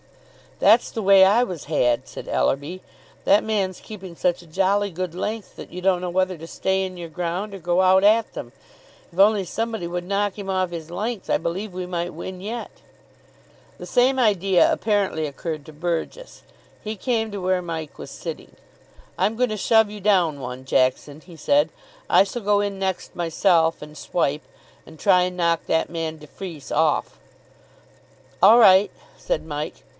"That's the way I was had," said Ellerby. "That man's keeping such a jolly good length that you don't know whether to stay in your ground or go out at them. If only somebody would knock him off his length, I believe we might win yet." The same idea apparently occurred to Burgess. He came to where Mike was sitting. "I'm going to shove you down one, Jackson," he said. "I shall go in next myself and swipe, and try and knock that man de Freece off." "All right," said Mike.